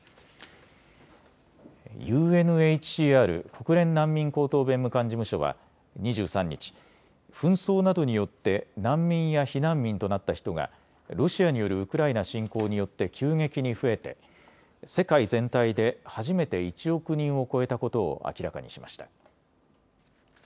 ＵＮＨＣＲ・国連難民高等弁務官事務所は２３日、紛争などによって難民や避難民となった人がロシアによるウクライナ侵攻によって急激に増えて世界全体で初めて１億人を超えたことを明らかにしました。